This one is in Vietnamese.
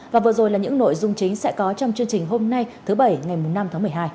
và vừa rồi là những nội dung chính sẽ có trong chương trình hôm nay thứ bảy ngày năm tháng một mươi hai